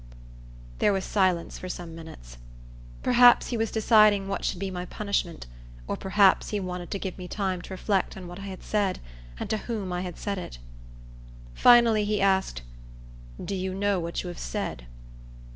There was silence for some minutes. Perhaps he was deciding what should be my punishment; or, perhaps, he wanted to give me time to reflect on what I had said, and to whom I had said it. Finally, he asked, "Do you know what you have said?"